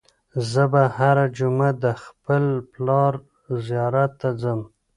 زه به هره جمعه د خپل پلار زیارت ته ځم.